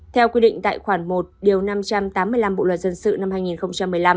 theo quy định tại khoản một năm trăm tám mươi năm bộ luật dân sự năm hai nghìn một mươi năm